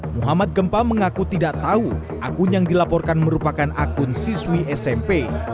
muhammad gempa mengaku tidak tahu akun yang dilaporkan merupakan akun siswi smp